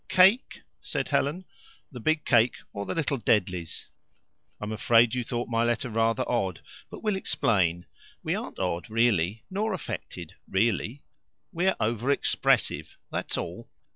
"Cake?" said Helen. "The big cake or the little deadlies? I'm afraid you thought my letter rather odd, but we'll explain we aren't odd, really not affected, really. We're over expressive: that's all.